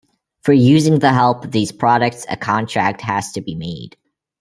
For using the help of these products a contract has to be made.